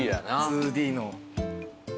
２Ｄの。